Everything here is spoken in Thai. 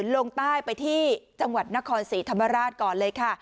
ลงใต้ไปที่จังหวัดนครศรีธรรมราชก่อนเลยค่ะ